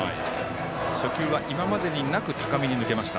初球は今までになく高めに抜けました。